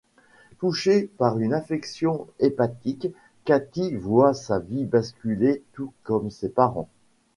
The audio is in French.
Touchée par une infection hépatique, Katie voit sa vie basculer tout comme ses parents.